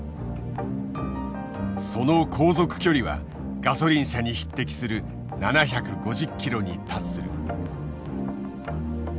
その航続距離はガソリン車に匹敵する７５０ｋｍに達する。